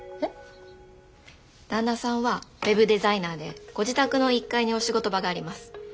旦那さんはウェブデザイナーでご自宅の１階にお仕事場があります。